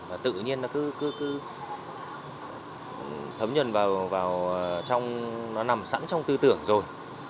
và tự nhiên nó cứ thấm nhuận vào trong nó nằm sẵn trong tư tưởng rồi